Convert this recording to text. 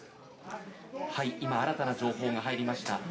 新たな情報が入りました。